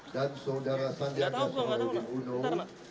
dan saudara sanya beng topic of